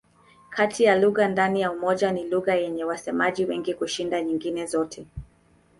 Kati ya lugha ndani ya Umoja ni lugha yenye wasemaji wengi kushinda nyingine zote.